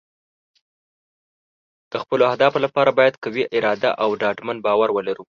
د خپلو اهدافو لپاره باید قوي اراده او ډاډمن باور ولرو.